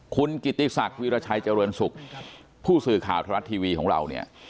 คุณกิติศักดิราชัยเจริญสุขผู้สื่อข่าวธรรมรัฐทีวีของเราเนี่ย